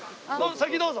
先どうぞ。